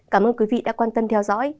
cảm ơn quý vị đã quan tâm theo dõi